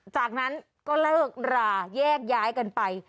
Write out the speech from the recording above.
จากนั้นก็เลิกราแยกย้ายกันไป